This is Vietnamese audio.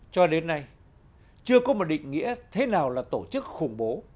cho đến nay chưa có một định nghĩa thế nào là tổ chức khủng bố